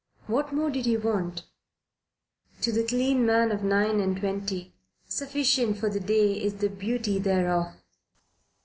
What more did he want? To the clean man of nine and twenty, sufficient for the day is the beauty thereof.